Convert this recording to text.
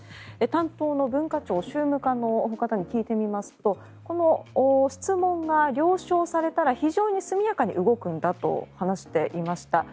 担当の文化庁宗務課の方に聞いてみますとこの質問が了承されたら非常に速やかに動くんだと話していました。